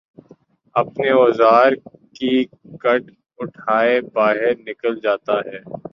اپنے اوزار کی کٹ اٹھائے باہر نکل جاتا ہے